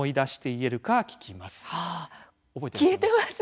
消えてます。